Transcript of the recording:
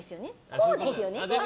こうですよね？